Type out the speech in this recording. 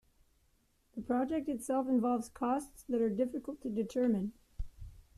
The project itself involves costs that are difficult to determine.